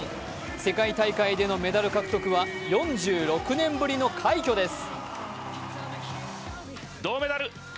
世界大会でのメダル獲得は４６年ぶりの快挙です。